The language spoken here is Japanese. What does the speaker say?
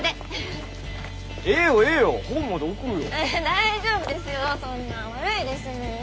大丈夫ですよそんな悪いですもん。